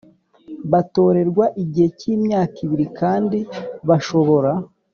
Batorerwa igihe cy imyaka ibiri kandi bashobora